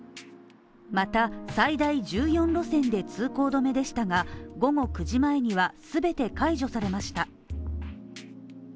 また、最大１４路線で通行止めでしたが、午後９時前には全て解除されました。